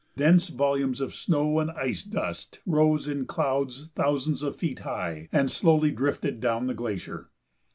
Dense volumes of snow and ice dust rose in clouds thousands of feet high and slowly drifted down the glacier.